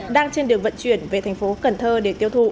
đang trên đường vận chuyển về thành phố cần thơ để tiêu thụ